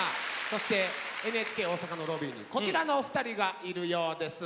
そしてＮＨＫ大阪のロビーにこちらのお二人がいるようです。